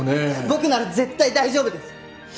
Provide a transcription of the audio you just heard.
僕なら絶対大丈夫です！